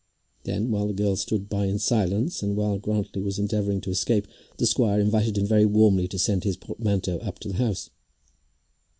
Then, while the girls stood by in silence, and while Grantly was endeavouring to escape, the squire invited him very warmly to send his portmanteau up to the house.